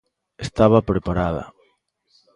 Estaba preparada.